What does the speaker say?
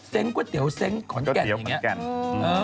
ก๋วยเตี๋ยวเซ้งขอนแก่นอย่างนี้